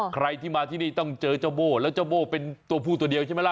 ใครที่มาที่นี่ต้องเจอเจ้าโบ้แล้วเจ้าโบ้เป็นตัวผู้ตัวเดียวใช่ไหมล่ะ